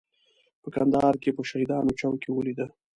په کندهار کې په شهیدانو چوک کې ولیده.